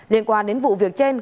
liên quan đến vụ việc trên